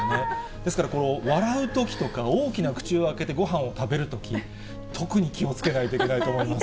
ですから、笑うときとか、大きな口を開けてごはんを食べるとき、特に気をつけないといけないと思います。